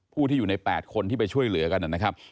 ผู้ที่อยู่ใน๘คนที่ไปช่วยเหลือกันนะครับ